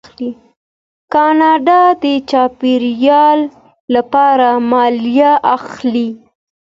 کاناډا د چاپیریال لپاره مالیه اخلي.